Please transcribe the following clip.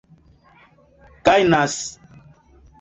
gajnas